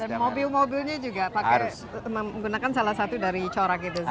dan mobil mobilnya juga pakai menggunakan salah satu dari corak itu sendiri ya